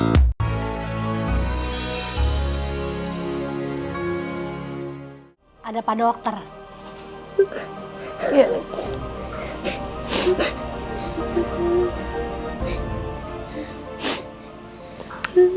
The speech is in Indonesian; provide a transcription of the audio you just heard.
nanda dewi kebun untuk dulu